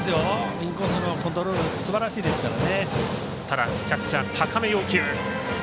インコースのコントロールすばらしいですからね。